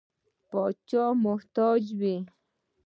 پاچا ته محتاج وي.